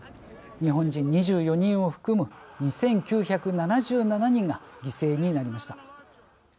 日本人２４人を含む２９７７人が犠牲になりました。